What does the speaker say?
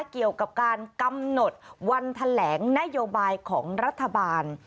เกี่ยวกับการกำหนดวันแถลงนโยบายของรัฐบาล